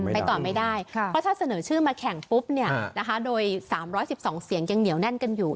ไปต่อไม่ได้เพราะถ้าเสนอชื่อมาแข่งปุ๊บโดย๓๑๒เสียงยังเหนียวแน่นกันอยู่